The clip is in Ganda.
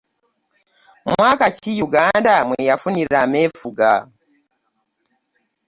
Mwaka ki Uganda mweyafunira amefuga?